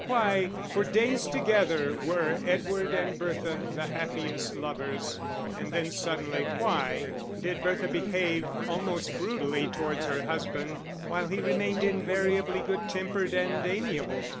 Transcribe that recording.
Why for days together were Edward and Bertha the happiest lovers, and then suddenly why did Bertha behave almost brutally towards her husband, while he remained invariably good tempered and amiable?